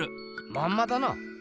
まんまだな。